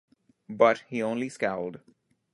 But he only scowled.